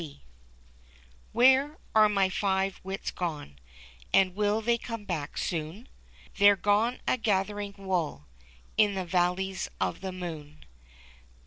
"TTTHERE are my Five Wits gone, ^^ And will they come back soon ?' They he gone a gathering wool In the Valleys of the Moon.